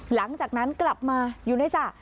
หลังจากนั้นกลับมาอยู่ในสระ